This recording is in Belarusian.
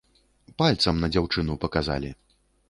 Пальцам на дзяўчыну паказалі.